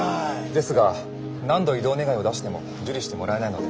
ですが何度異動願を出しても受理してもらえないので。